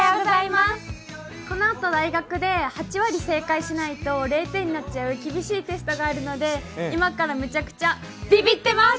このあと大学で８割正解しないと０点になっちゃう厳しいテストがあるので今からむちゃくちゃビビってます！